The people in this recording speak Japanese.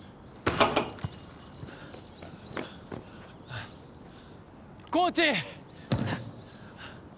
あっコーチ！